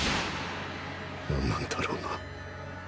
なんなんだろうな。